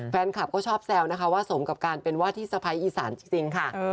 แฟนคลับก็ชอบแซวนะคะว่าสมกับการเป็นว่าที่สะพ้ายอีสานจริงค่ะ